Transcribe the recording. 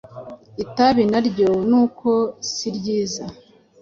Itabi naryo nuko siryiza